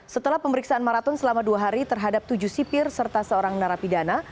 setelah pemeriksaan maraton selama dua hari terhadap tujuh sipir serta seorang narapidana